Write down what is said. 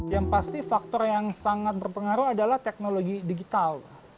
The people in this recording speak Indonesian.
yang pasti faktor yang sangat berpengaruh adalah teknologi digital